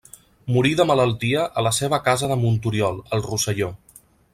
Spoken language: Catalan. Morí de malaltia a la seva casa de Montoriol, al Rosselló.